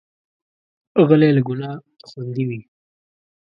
غلی، له ګناه خوندي وي.